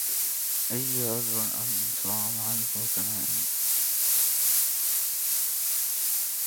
أي عذر أن صام عنه ثنائي